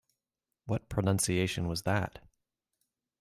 What pronunciation was that?